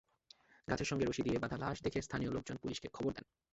গাছের সঙ্গে রশি দিয়ে বাঁধা লাশ দেখে স্থানীয় লোকজন পুলিশকে খবর দেন।